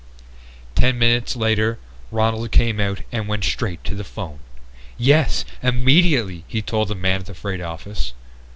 Ten minutes later Ronald came out and went straight to the phone. "Yes! Immediately!" he told the man at the freight office.